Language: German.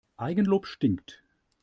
Eigenlob stinkt.